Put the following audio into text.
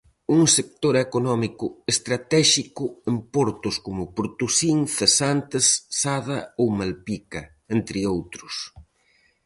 Un sector económico estratéxico en portos como Portosín, Cesantes, Sada ou Malpica, entre outros.